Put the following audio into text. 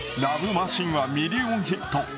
マシーンはミリオンヒット。